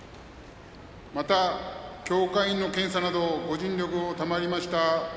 また、協会員の検査などご尽力を賜りました